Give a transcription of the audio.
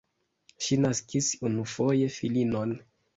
Ŝi naskis unufoje filinon.